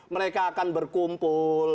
mereka akan berkumpul